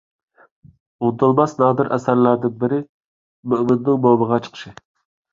ئۇنتۇلماس نادىر ئەسەرلەردىن بىرى — «مۆمىننىڭ مومىغا چىقىشى».